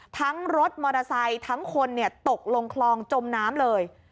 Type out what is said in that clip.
ทั้งรถมอเตอร์ไซต์ทั้งคนเนี่ยตกลงคลองจมน้ำเลย